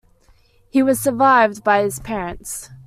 He was survived by his parents.